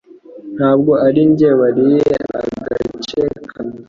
Ntabwo ari njye wariye agace ka nyuma.